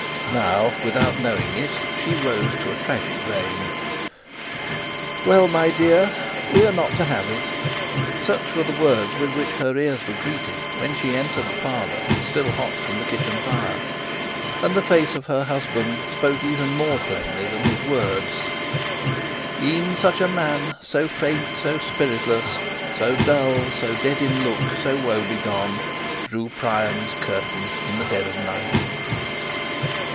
Now, without knowing it, she rose to a tragic vein. 'Well, my dear; we are not to have it.' Such were the words with which her ears were greeted when she entered the parlour, still hot from the kitchen fire. And the face of her husband spoke even more plainly than his words: "E'en such a man, so faint, so spiritless, So dull, so dead in look, so woe begone, Drew Priam's curtain in the dead of night."